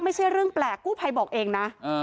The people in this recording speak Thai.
ไม่ใช่เรื่องแปลกกู้ภัยบอกเองนะ